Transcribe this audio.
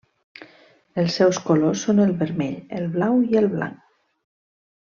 Els seus colors són el vermell, el blau i el blanc.